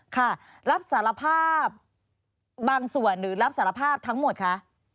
ค่ะรับสารภาพบางส่วนหรือรับสารภาพทั้งหมดคะ